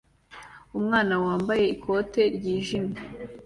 Umwana wambaye ikote ryijimye